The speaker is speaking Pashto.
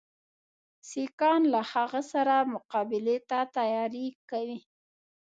سیکهان له هغه سره مقابلې ته تیاری کوي.